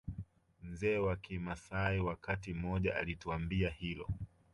Mzee wa kimaasai wakati mmoja alituambia hilo